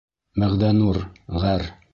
Мәғдәнур ғәр.